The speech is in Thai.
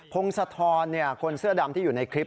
พงศธรคนเสื้อดำที่อยู่ในคลิป